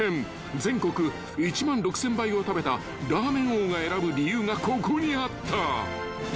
［全国１万６，０００杯を食べたラーメン王が選ぶ理由がここにあった］